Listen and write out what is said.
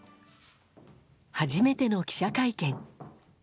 初めての記者会見。